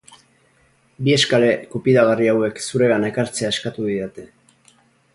Bi eskale gupidagarri hauek zuregana ekartzea eskatu didate.